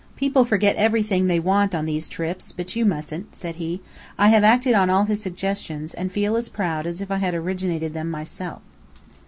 "People forget everything they want on these trips, but you mustn't," said he. I have acted on all his suggestions, and feel as proud as if I had originated them myself.